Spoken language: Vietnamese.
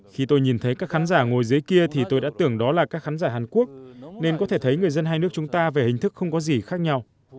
khi tôi nhìn thấy các khán giả ngồi dưới kia thì tôi đã tưởng đó là các khán giả hàn quốc nên có thể thấy người dân hai nước chúng ta về hình thức không có gì khác nhau